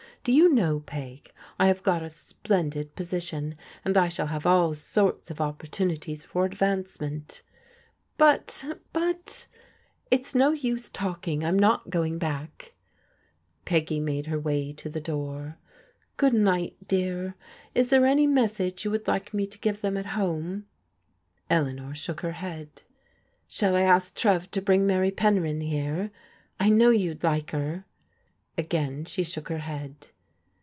IX} yoa know. Peg:, I have got a ^lendid po&itioo, and I shall hai^ all sorts of opp or t un ities for advancement.'* ^ It's no use talking; Fm not goii^ bade" Peggy made her way to die door. " Good ni^t, dear. Is there any message yoa would like me to give them at ^" Eleanor shook her head. ''Shall I ask Trcv to brii^ Mary Penryn here? I know you'd like her." Again she shook her head.